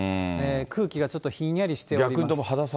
空気がちょっとひんやりしています。